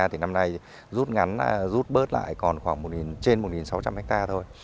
thì năm nay rút ngắn rút bớt lại còn khoảng trên một sáu trăm linh hectare thôi